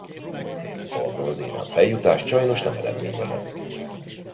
A bronzérem feljutást sajnos nem eredményezett.